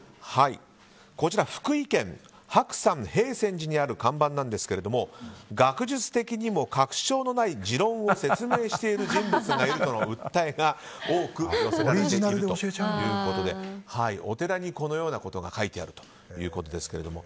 福井県白山平泉寺にある看板ですが学術的にも確証のない持論を説明している人物がいるとの訴えが多く寄せられているということでお寺にこのようなことが書いてあるということですけども。